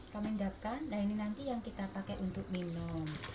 kami endapkan nah ini nanti yang kita pakai untuk minum